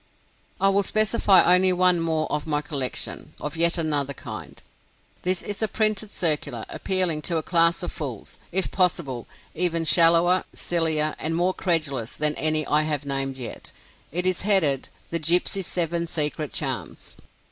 I will specify only one more of my collection, of yet another kind. This is a printed circular appealing to a class of fools, if possible, even shallower, sillier, and more credulous than any I have named yet. It is headed "The Gypsies' Seven Secret Charms."